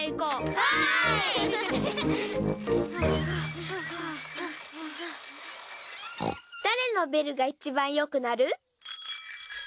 ブー誰のベルがいちばんよく鳴る？